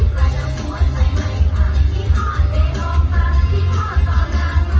ถ้าคุณไม่รักกันเฉยรุฆชีพห่าวกล่องใด